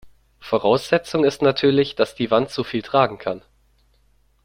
Voraussetzung ist natürlich, dass die Wand so viel tragen kann.